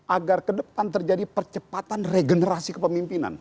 agar ke depan terjadi percepatan regenerasi kepemimpinan